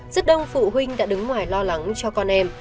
rất đông phụ huynh đã đứng ngoài lo lắng cho con em